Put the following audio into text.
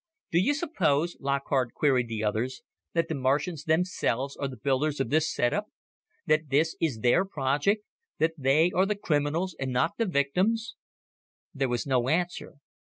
"Do you suppose," Lockhart queried the others, "that the Martians themselves are the builders of this setup that this is their project that they are the criminals and not the victims?" There was no answer.